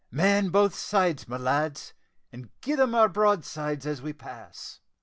"Man both sides, my lads, and give them our broadsides as we pass."